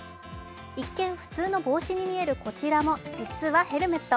一見、普通の帽子に見えるこちらも実はヘルメット。